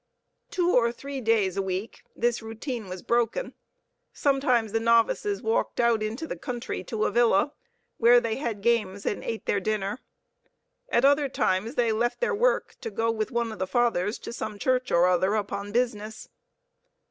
Two or three days a week, this routine was broken. Sometimes the novices walked out into the country to a villa, where they had games and ate their dinner. At other times they left their work to go with one of the Fathers to some church or other, upon business.